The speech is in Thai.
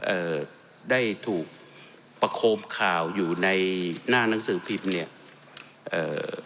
เอ่อได้ถูกประโคมข่าวอยู่ในหน้าหนังสือพิมพ์เนี้ยเอ่อ